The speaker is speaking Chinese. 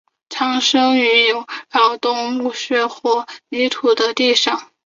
常生长于有扰动的木屑或泥土地上。